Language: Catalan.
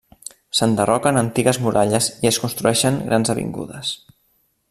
S'enderroquen antigues muralles i es construeixen grans avingudes.